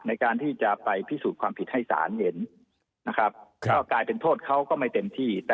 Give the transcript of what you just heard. ในการที่จะไปพิสูจน์ความผิดให้สารเห็น